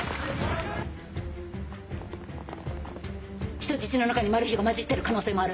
人質の中にマル被が交じってる可能性もある。